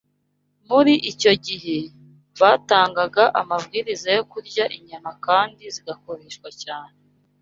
Muri icyo gihe, batangaga amabwiriza yo kurya inyama kandi zigakoreshwa cyane